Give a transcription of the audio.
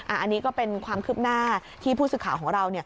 อันนี้ก็เป็นความคืบหน้าที่ผู้สื่อข่าวของเรา